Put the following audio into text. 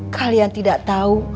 kalian tidak tahu